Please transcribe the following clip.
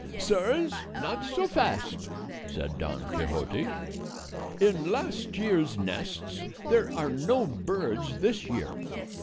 "Sirs, not so fast," said Don Quixote. "In last year's nests there are no birds this year.